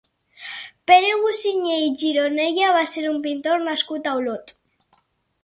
Pere Gussinyé i Gironella va ser un pintor nascut a Olot.